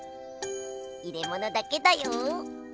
入れものだけだよ！